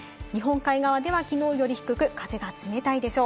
日本海側では気温も低く、風が冷たいでしょう。